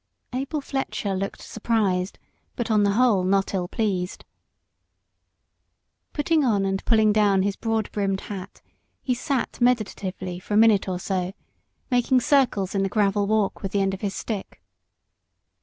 Abel Fletcher looked surprised, but on the whole not ill pleased. Putting on and pulling down his broad brimmed hat, he sat meditatively for a minute or so; making circles in the gravel walk with the end of his stick.